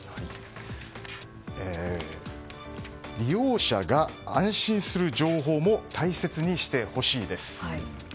利用者が安心する情報も大切にしてほしいです。